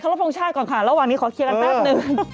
รบทรงชาติก่อนค่ะระหว่างนี้ขอเคลียร์กันแป๊บนึง